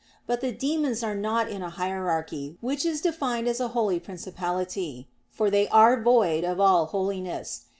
But the demons are not in a hierarchy, which is defined as a holy principality; for they are void of all holiness.